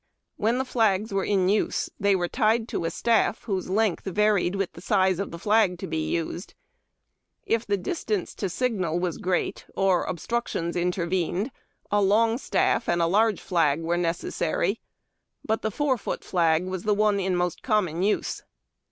When the flags were in use, they were tied to a staff, whose length varied with the size fcjK of the flag to be used. If the distance nl^ to signal was great, or obstructions in tervened, a long staff and a large flag were necessary; but the four foot flag was the one in most common use.